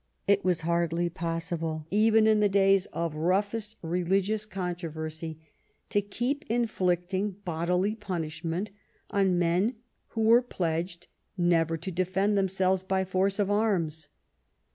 It was hardly possible, even in the days of roughest religious controversy, to keep inflicting bodily punishment on men who were pledged never to defend themselves by force of arms.